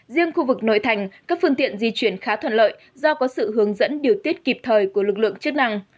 riêng khu vực nội thành các phương tiện di chuyển khá thuận lợi do có sự hướng dẫn điều tiết kịp thời của lực lượng chức năng